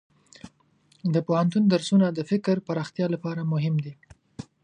د پوهنتون درسونه د فکر پراختیا لپاره مهم دي.